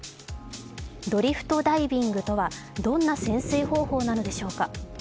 ドリフトダイビングとはどんな潜水方法なのでしょうか？